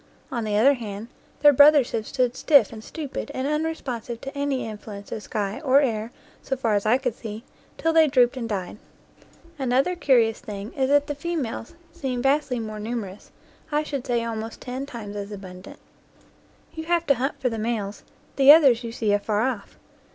On the other hand, their brothers have stood stiff and stupid and unresponsive to any influence of sky or air so far as I could see, till they drooped and died. Another curious thing is that the females seem 45 NEW GLEANINGS IN OLD FIELDS vastly more numerous I should say almost ten times as abundant. You have to hunt for the males; the others you see afar off.